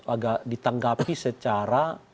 agak ditanggapi secara